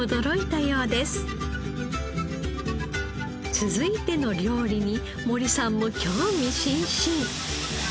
続いての料理に森さんも興味津々。